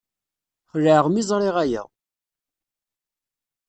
Xelɛeɣ mi ẓriɣ aya.